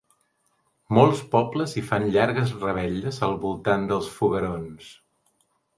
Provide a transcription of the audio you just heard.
Molts pobles hi fan llargues revetlles al voltant dels foguerons.